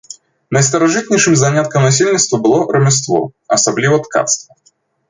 Найстаражытнейшым заняткам насельніцтва было рамяство, асабліва ткацтва.